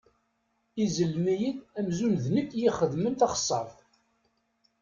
Izellem-iyi-d amzun d nekk i ixedmen taxeṣṣaṛt!